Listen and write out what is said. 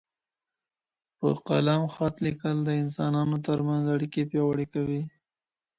په قلم خط لیکل د انسانانو ترمنځ اړیکي پیاوړي کوي.